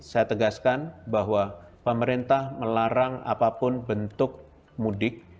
saya tegaskan bahwa pemerintah melarang apapun bentuk mudik